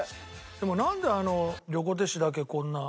でもなんであの横手市だけこんな。